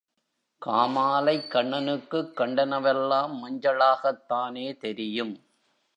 காமாலைக் கண்ணனுக்குக் கண்டனவெல்லாம் மஞ்சளாகத்தானே தெரியும்?